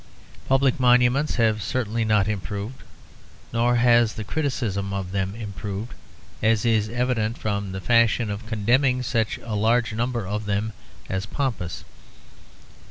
Public monuments have certainly not improved, nor has the criticism of them improved, as is evident from the fashion of condemning such a large number of them as pompous.